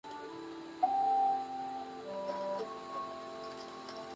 No estaba inconsciente, pero se sentía enferma y sufría de dolores de cabeza.